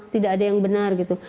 tidak ada yang benar gitu